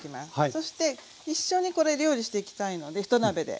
そして一緒にこれ料理していきたいのでひと鍋で。